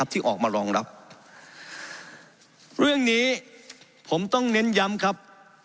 ที่ออกมารองรับเรื่องนี้ผมต้องเน้นย้ำครับ